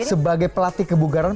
sebagai pelatih kebukaran